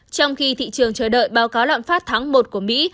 trong khi thị trường chờ đợi báo cáo lạm phát tháng một của mỹ